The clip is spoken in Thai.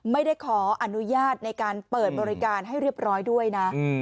ไม่ได้ขออนุญาตในการเปิดบริการให้เรียบร้อยด้วยนะ